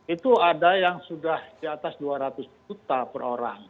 itu ada yang sudah di atas dua ratus juta per orang